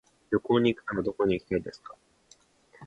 旅行に行くならどこに行きたいですか。